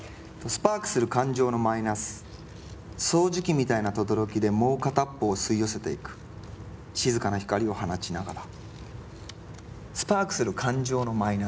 「スパークする感情のマイナス掃除機みたいなとどろきでもう片っ方を吸い寄せていく静かな光を放ちながら」。ＯＫ！